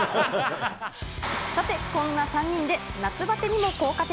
さて、こんな３人で夏ばてにも効果的。